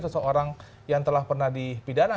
seseorang yang telah pernah dipidana